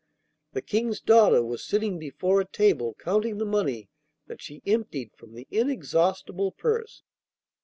The King's daughter was sitting before a table counting the money that she emptied from the inexhaustible purse.